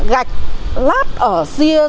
gạch lát ở riêng